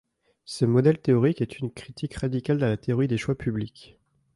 Ce modèle théorique est une critique radicale à la théorie des choix publics.